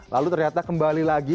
lalu ternyata kembali lagi